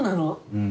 うん。